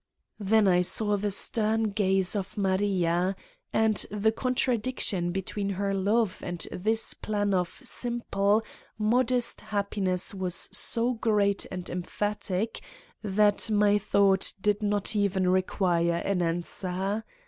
" Then I saw the stern gaze of my Maria and the contra diction between her love and this plan of simple, modest happiness was so great and emphatic that my thought did not even require an answer.